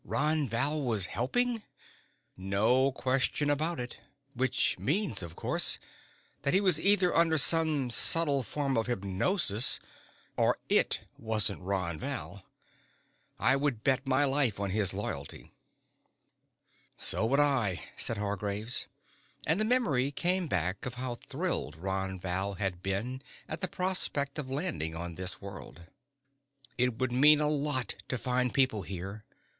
"Ron Val was helping?" "No question about it. Which means, of course, that he was either under some subtle form of hypnosis, or it wasn't Ron Val. I would bet my life on his loyalty." "So would I," said Hargraves. And the memory came back of how thrilled Ron Val had been at the prospect of landing on this, world. "It would mean a lot to find people here.